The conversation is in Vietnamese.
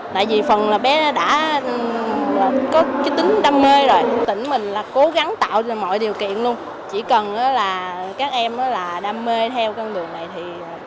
tại vì phần là bé đã có cái tính đam mê rồi tỉnh mình là cố gắng tạo ra mọi điều kiện luôn chỉ cần là các em là đam mê theo con đường này thì